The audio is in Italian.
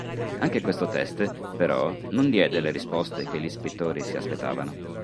Anche questo test però non diede le risposte che gli ispettori si aspettavano.